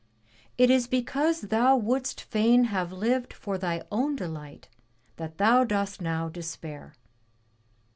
It is because thou wouldst fain have lived for thy own delight that thou dost now despair.'